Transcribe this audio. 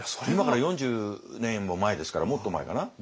今から４０年も前ですからもっと前かな？